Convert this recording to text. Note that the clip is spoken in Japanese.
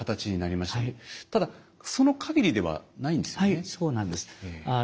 はいそうなんです。